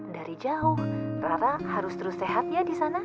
dari jauh rara harus terus sehat ya di sana